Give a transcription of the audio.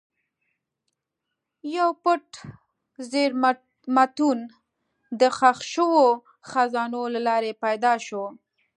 یو پټ زېرمتون د ښخ شوو خزانو له لارې پیدا شو.